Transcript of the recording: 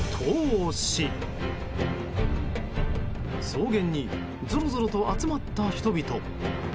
草原にぞろぞろと集まった人々。